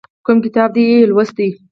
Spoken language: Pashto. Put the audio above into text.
کوم کتاب دې یې لوستی؟